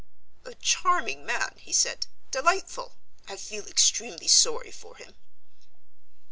"A charming man," he said, "delightful. I feel extremely sorry for him."